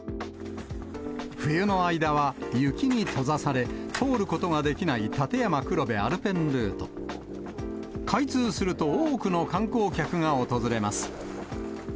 冬の間は雪に閉ざされ、通ることができない立山黒部アルペンルート。開通すると、多くの観光客が訪れます。